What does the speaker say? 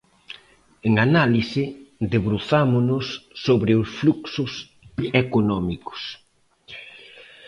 En Análise, debruzámonos sobre os fluxos económicos.